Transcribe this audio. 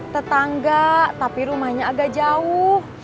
tetangga tapi rumahnya agak jauh